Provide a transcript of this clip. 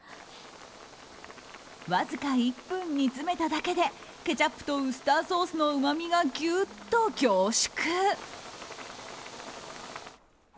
わずか１分煮詰めただけでケチャップとウスターソースのうまみがギュッと凝縮。